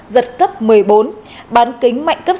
giật cấp một mươi bốn bán kính mạnh cấp năm